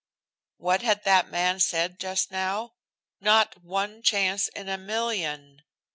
What had that man said just now? Not one chance in a million!